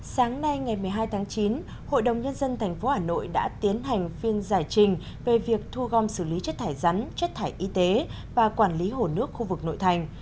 sáng nay ngày một mươi hai tháng chín hội đồng nhân dân tp hà nội đã tiến hành phiên giải trình về việc thu gom xử lý chất thải rắn chất thải y tế và quản lý hồ nước khu vực nội thành